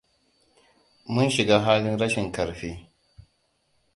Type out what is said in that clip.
Mun shiga halin rashin ƙarfi.